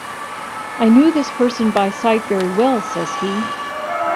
"I knew this person by sight very well," says he.